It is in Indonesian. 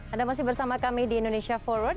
anda masih bersama kami di indonesia forward